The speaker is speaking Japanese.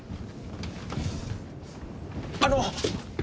あの！